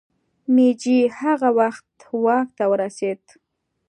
مېجي هغه وخت واک ته ورسېد.